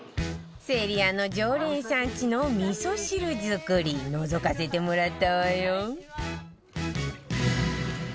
セリアの常連さんちの味噌汁作りのぞかせてもらったわよ